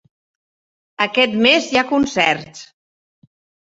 Aquest mes hi ha concerts.